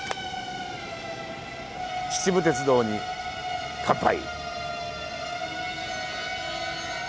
秩父鉄道に乾杯！